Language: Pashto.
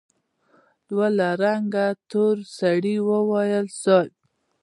يوه له رنګه تور سړي وويل: صېب!